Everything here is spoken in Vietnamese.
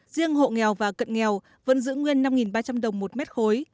riêng hộ nghèo và cận nghèo vẫn giữ nguyên năm ba trăm linh đồng một mét khối